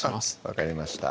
分かりました